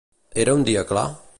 Era un dia clar?